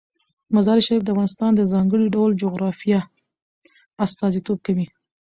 مزارشریف د افغانستان د ځانګړي ډول جغرافیه استازیتوب کوي.